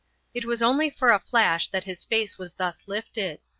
It was only for a flash that his face was thus lifted.